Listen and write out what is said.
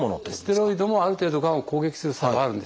ステロイドもある程度がんを攻撃する作用があるんですね